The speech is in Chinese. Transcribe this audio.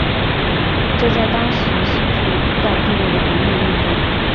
这在当时是具有主导地位的农民运动。